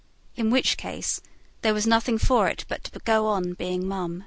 In which case, there was nothing for it but to go on being mum.